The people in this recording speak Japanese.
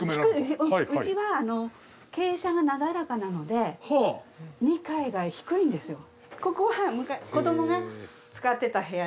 うちは傾斜がなだらかなので２階が低いんですよ。